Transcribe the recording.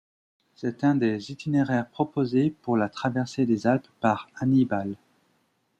C'est un des itinéraires proposés pour la traversée des Alpes par Hannibal.